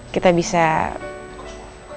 kita bisa berjalan jalan lagi ya